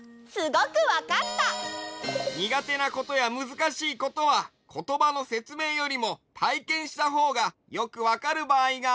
にがてなことやむずかしいことはことばのせつめいよりもたいけんしたほうがよくわかるばあいがあるんだ。